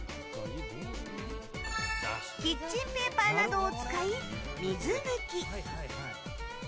キッチンペーパーなどを使い水抜き！